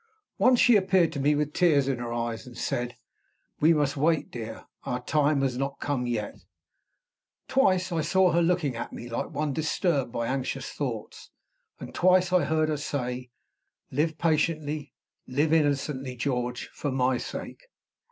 Once she appeared to me, with tears in her eyes, and said, "We must wait, dear: our time has not come yet." Twice I saw her looking at me, like one disturbed by anxious thoughts; and twice I heard her say, "Live patiently, live innocently, George, for my sake."